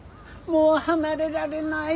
もう離れられない